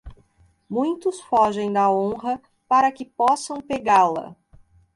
Muitos fogem da honra para que possam pegá-la.